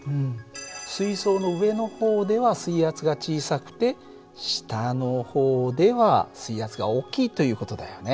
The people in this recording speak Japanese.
水槽の上の方では水圧が小さくて下の方では水圧が大きいという事だよね。